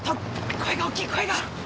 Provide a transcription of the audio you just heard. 声が大きい声が！